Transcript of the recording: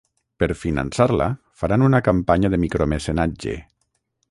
Per finançar-la, faran una campanya de micromecenatge.